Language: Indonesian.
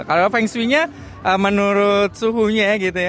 kalau feng shui nya menurut suhunya gitu ya